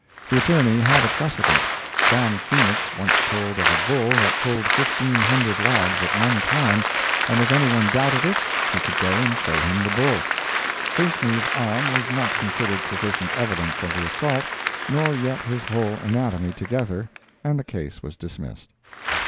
The Attorney had a precedent. John Phoenix once told of a bull that pulled fifteen hundred logs at one time, and if any one doubted it, he could go and show him the bull. Pinkney's arm was not considered sufficient evidence of the assault, nor yet his whole anatomy together, and the case was dismissed.